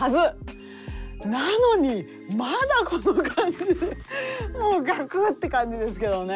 なのにまだこの感じでもうガクッて感じですけどね。